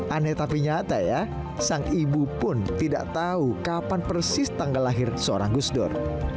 aneh tapi nyata ya sang ibu pun tidak tahu kapan persis tanggal lahir seorang gus dur